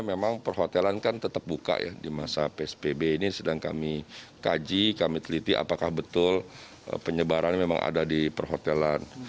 memang perhotelan kan tetap buka ya di masa psbb ini sedang kami kaji kami teliti apakah betul penyebaran memang ada di perhotelan